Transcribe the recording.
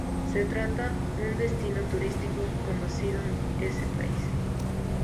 Se trata un destino turístico conocido en ese país.